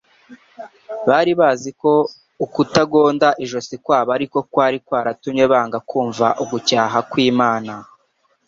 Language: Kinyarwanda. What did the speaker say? Bari bazi ko ukutagonda ijosi kwabo ari ko kwari kwaratumye banga kumva ugucyaha kw'Imana,